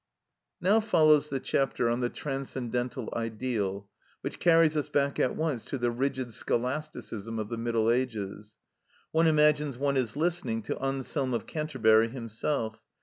‐‐‐‐‐‐‐‐‐‐‐‐‐‐‐‐‐‐‐‐‐‐‐‐‐‐‐‐‐‐‐‐‐‐‐‐‐ Now follows the chapter on the transcendental ideal, which carries us back at once to the rigid Scholasticism of the Middle Ages. One imagines one is listening to Anselm of Canterbury himself.